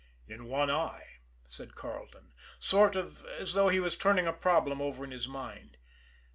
"In one eye," said Carleton, sort of as though he were turning a problem over in his mind.